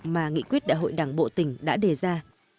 mà nghị quyết đại hội đảng bộ tỉnh đã đề ra